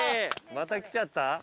また来ちゃった？